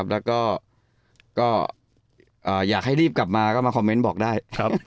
แล้วก็อยากให้รีบกลับมาก็มาคอมเมนต์บอกได้